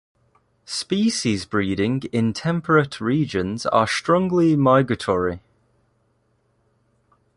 Species breeding in temperate regions are strongly migratory.